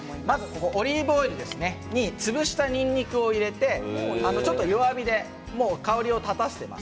オリーブオイルに潰したにんにくを入れて弱火で香りを立たせています。